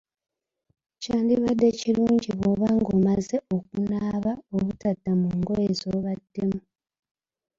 Kyandibadde kirungi bw'oba ng'omaze okunaaba obutadda mu ngoye z'obaddemu.